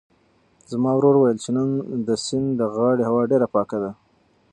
زما ورور وویل چې نن د سیند د غاړې هوا ډېره پاکه ده.